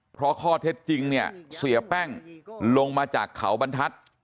เพราะข้อเท็จจริงเนี่ยเสียแป้งลงมาจากเขาบรรทัศน์